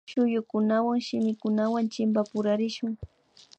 Shuyukunawan shimikunawan chimpapurachishun